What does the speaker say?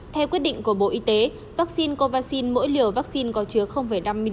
theo quyết định của bộ y tế vaccine covaxin mỗi liều vaccine có chứa năm mg